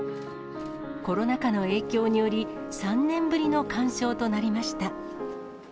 コロナ禍の影響により、３年ぶりの鑑賞となりました。